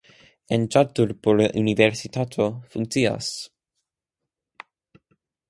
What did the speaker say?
En Ĉatarpur universitato funkcias.